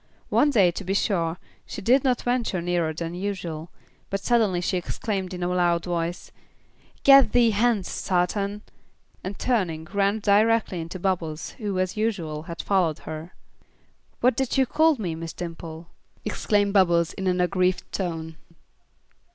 One day, to be sure, she did not venture nearer than usual, but suddenly she exclaimed in a loud voice, "Get thee hence, satan!" and turning ran directly into Bubbles who, as usual, had followed her. "What dat yuh call me, Miss Dimple," exclaimed Bubbles, in an aggrieved tone.